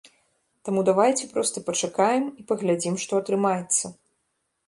Таму давайце проста пачакаем і паглядзім, што атрымаецца.